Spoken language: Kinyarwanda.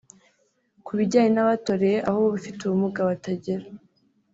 Ku bijyanye n’abatoreye aho abafite ubumuga batagera